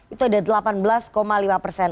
itu ada delapan belas lima persen